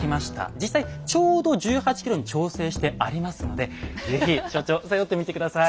実際ちょうど１８ｋｇに調整してありますので是非所長背負ってみて下さい。